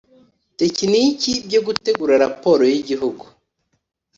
tekiniki byo gutegura raporo y Igihugu